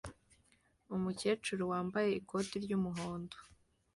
Umukecuru wambaye ikoti ry'umuhondo